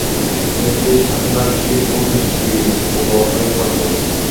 বিষয়টি সাংঘর্ষিক ও দৃষ্টিকটু হয়ে পড়বে।